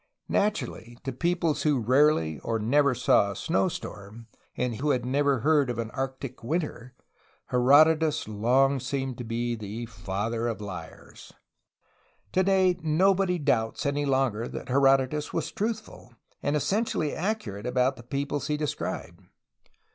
Naturally, to peoples who rarely or never saw a snowstorm and who had never heard of an Arctic winter Herodotus long seemed to be the "father of liars. *' Today nobody doubts any longer that Herodotus was truthful and essentially accurate about the peoples he described.